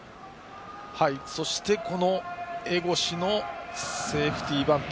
そして、先程の江越のセーフティーバント。